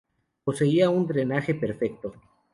Poseía un drenaje perfecto.